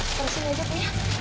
tersini aja bu